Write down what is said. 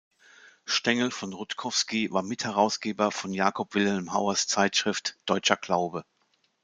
Stengel-von Rutkowski war Mitherausgeber von Jakob Wilhelm Hauers Zeitschrift "„Deutscher Glaube.